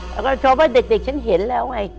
แล้วก็ชาวบ้านเด็กฉันเห็นแล้วไง